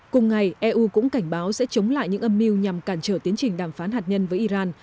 cùng ngày eu cũng cảnh báo sẽ chống lại những âm mưu nhằm cản trở tiến trình đàm phán hạt nhân với iran